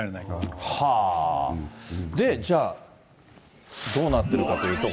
じゃあ、どうなってるかというと。